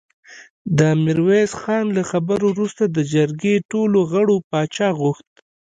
د ميرويس خان له خبرو وروسته د جرګې ټولو غړو پاچا غوښت.